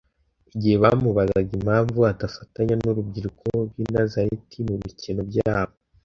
Igihe bamubazaga impamvu adafatanya n'urubyiruko rw'i Nazareti mu bikino byabo,